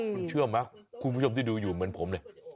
คุณเชื่อไหมคุณผู้ชมที่ดูอยู่เหมือนผมเลย